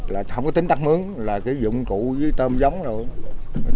là không có tính tắt mướn là cái dụng cụ với tôm giống luôn